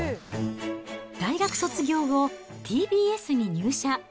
大学卒業後、ＴＢＳに入社。